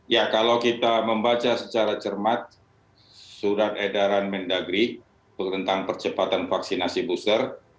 ya kalau kita membaca secara cermat surat edaran mendagri tentang percepatan vaksinasi booster